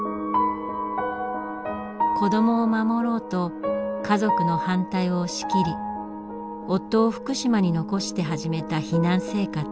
子どもを守ろうと家族の反対を押し切り夫を福島に残して始めた避難生活。